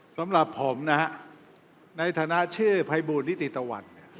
สำหรับผมนะฮะในฐานะชื่อภัยบูลนิติตะวัน